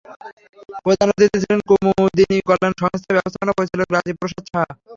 প্রধান অতিথি ছিলেন কুমুদিনী কল্যাণ সংস্থার ব্যবস্থাপনা পরিচালক রাজীব প্রসাদ সাহা।